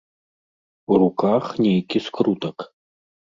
У руках нейкі скрутак.